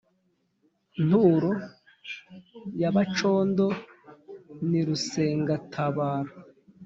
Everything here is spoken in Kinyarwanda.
Nturo ya Bacondo ni Rusengatabaro